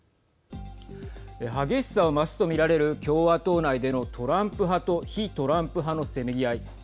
激しさを増すと見られる共和党内でのトランプ派と非トランプ派のせめぎ合い。